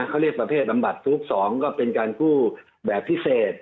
เขาเรียกประเภทบำบัดทุก๒ก็เป็นการกู้แบบพิเศษ